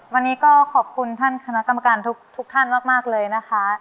วันนี้ก็ขอบคุณท่านคณะกรรมการทุกท่านมากเลยนะคะ